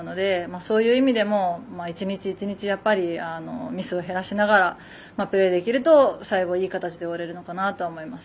そういう意味でも、一日一日ミスを減らしながらプレーできると最後、いい形で終われるのかなとは思います。